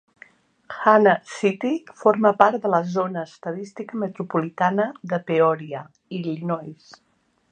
Hanna City forma part de la zona estadística metropolitana de Peoria, Illinois.